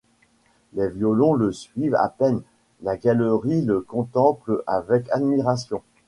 Les violons le suivent à peine ; la galerie le contemple avec admiration.